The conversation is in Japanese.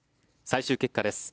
最終結果です。